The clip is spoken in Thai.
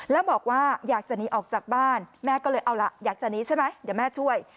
แล้วบอกว่าอยากจะหนีออกจากบ้านแม่ก็เลยเอาล่ะอยากจะหนีใช่ไหมเดี๋ยวแม่ช่วย